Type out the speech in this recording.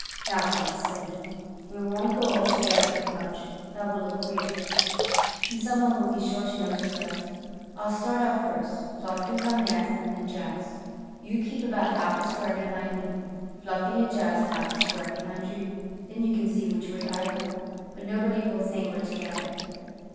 "Now, kits," said he, "we won't go all together in a bunch. That would look queer, and some one would be sure to notice us. I'll start off first; Fluff can come next, and then Jaz. You keep about half a square behind me, Fluffy, and Jaz about half a square behind you. Then you can see which way I go, but nobody will think we're together."